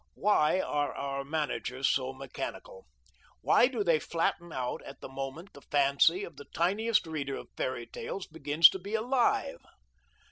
Why are our managers so mechanical? Why do they flatten out at the moment the fancy of the tiniest reader of fairy tales begins to be alive?